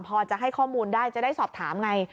พอจะให้ข้อมูลได้จะได้สอบถามไง